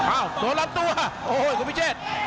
อ้าวโดนล้อมตัวโอ้โหยกรุงพิเศษ